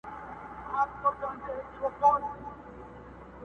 جهاني ستا چي یې په وینو کي شپېلۍ اودلې٫